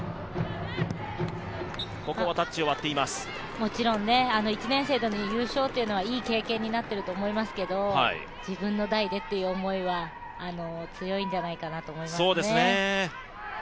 もちろん１年生での優勝はいい経験になっていると思いますけど自分の代でっていう思いは強いんじゃないかなって思いますね。